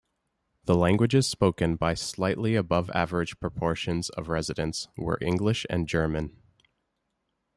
The languages spoken by slightly above-average proportions of residents were English and German.